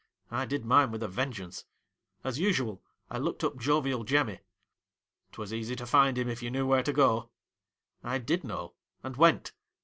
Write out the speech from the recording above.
I did mine with a vengeance. As xisual, I looked up " Jovial Jemmy." '' 'Twas easy to find him if you knew where to go.' ' I did know, and went.